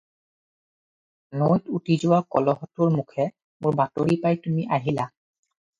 -নৈত উটি যোৱা কলহটোৰ মুখে মোৰ বাতৰি পাই তুমি আহিলা।